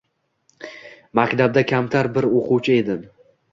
Maktabda kamtar bir oʻquvchi edim.